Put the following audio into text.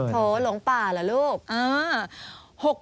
โถหลงป่าเหรอลูก